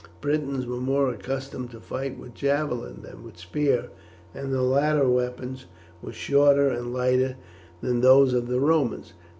Britons were more accustomed to fight with javelin than with spear, and the latter weapons were shorter and lighter than those of the Romans.